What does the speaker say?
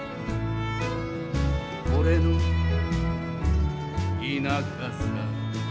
「俺の田舎さ」